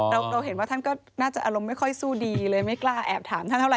เราเห็นว่าท่านก็น่าจะอารมณ์ไม่ค่อยสู้ดีเลยไม่กล้าแอบถามท่านเท่าไ